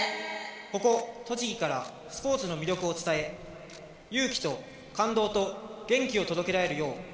ここ栃木からスポーツの魅力を伝え勇気と感動と元気を届けられるよう。